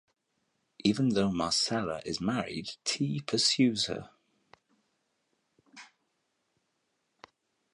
Even though Marcela is married, T pursues her.